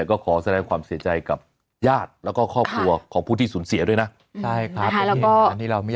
ก็ขอแสดงความเสียใจกับญาติแล้วก็ครอบครัวของผู้ที่สูญเสียด้วยนะใช่ครับ